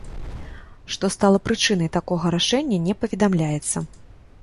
Што стала прычынай такога рашэння, не паведамляецца.